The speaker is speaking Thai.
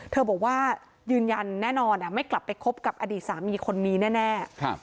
บอกว่ายืนยันแน่นอนไม่กลับไปคบกับอดีตสามีคนนี้แน่